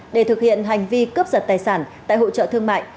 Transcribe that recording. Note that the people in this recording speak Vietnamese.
để thực hiện hành vi cướp giật tài sản tại hỗ trợ thương mại